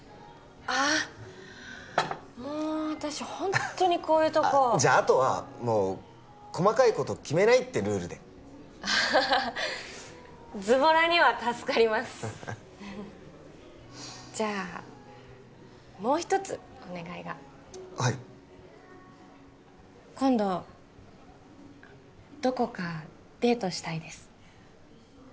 ああもう私ホントにこういうとこじゃああとはもう細かいこと決めないってルールでズボラには助かりますじゃあもう一つお願いがはい今度どこかデートしたいです